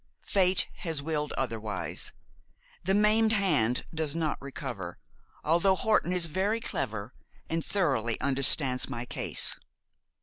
'Fate has willed otherwise. The maimed hand does not recover, although Horton is very clever, and thoroughly understands my case.